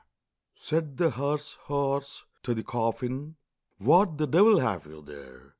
Said the hearse horse to the coffin, "What the devil have you there?